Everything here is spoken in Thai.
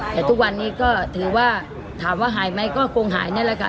แต่ทุกวันนี้ก็ถือว่าถามว่าหายไหมก็คงหายนั่นแหละค่ะ